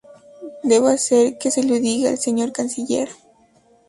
Debo hacer que se lo diga al señor canciller.